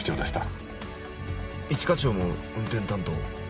一課長も運転担当を？